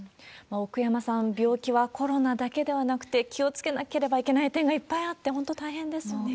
奥山さん、病気はコロナだけではなくて、気をつけなければいけない点がいっぱいあって、本当大変ですよね。